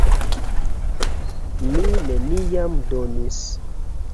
Mi neniam donis.